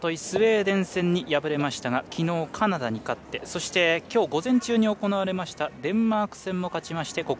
スウェーデン戦に敗れましたがきのう、カナダに勝ってそしてきょう午前中に行われましたデンマーク戦も勝ちまして